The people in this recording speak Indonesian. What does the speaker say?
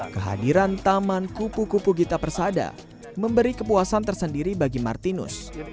kehadiran taman kupu kupu gita persada memberi kepuasan tersendiri bagi martinus